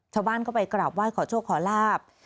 ชาวบ้านก็ไปกราบไหว้ขอโชคขอลาบ